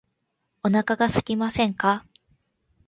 お腹がすきませんか